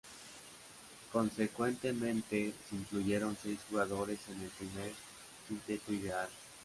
Consecuentemente se incluyeron seis jugadores en el Primer quinteto ideal.